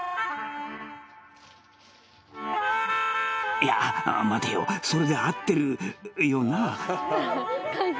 「いや待てよそれで合ってるよな？」